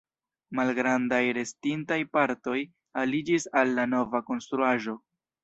Malgrandaj restintaj partoj aliĝis al la nova konstruaĵo.